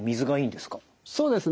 そうですね。